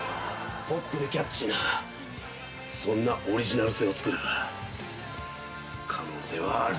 ポップでキャッチーなそんなオリジナル線をつくれば可能性はある！